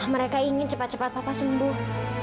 mereka ingin cepat cepat papa sembuh